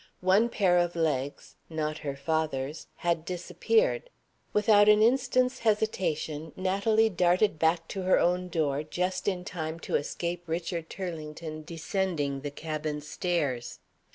One pair of legs (not her father's) had disappeared. Without an instant's hesitation, Natalie darted back to her own door, just in time to escape Richard Turlington descending the cabin stairs.